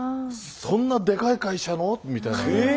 そんなでかい会社の？みたいなね。